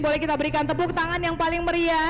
boleh kita berikan tepuk tangan yang paling meriah